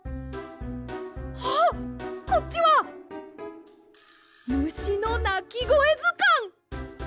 あっこっちは「むしのなきごえずかん」！